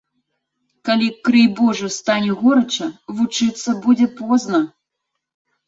Калі, крый божа, стане горача, вучыцца будзе позна.